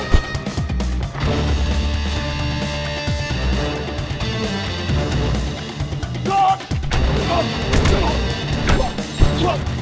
pergi ke kita